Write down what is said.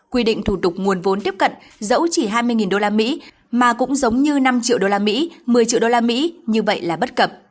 quy định thủ tục nguồn vốn tiếp cận dẫu chỉ hai mươi usd mà cũng giống như năm triệu usd một mươi triệu usd như vậy là bất cập